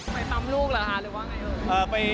ไปปั๊มลูกหรือว่าไง